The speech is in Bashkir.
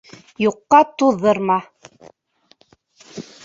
Юҡҡа туҙҙырма.